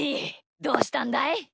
どうしたんだい？